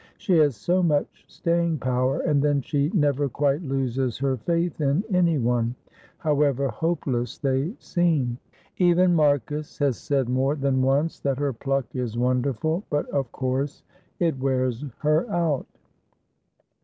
"She has so much staying power, and then she never quite loses her faith in anyone, however hopeless they seem. Even Marcus has said more than once that her pluck is wonderful, but of course it wears her out."